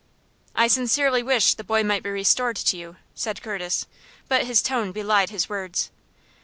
"I sincerely wish the boy might be restored to you," said Curtis; but his tone belied his words.